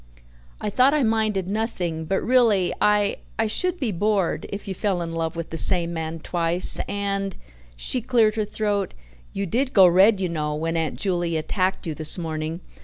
I thought I minded nothing, but really I I should be bored if you fell in love with the same man twice and" she cleared her throat "you did go red, you know, when Aunt Juley attacked you this morning.